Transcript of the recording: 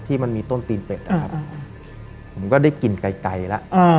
ที่มันมีต้นตีนเป็ดอะครับอืมผมก็ได้กลิ่นไกลไกลแล้วอ่า